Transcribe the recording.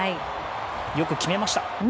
よく決めました。